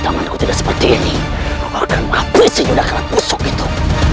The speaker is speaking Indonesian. kalau saja tanganku tidak seperti ini aku akan menghabisi yudhakrat pusuk itu